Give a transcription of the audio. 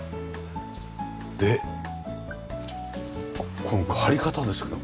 でこの張り方ですけど。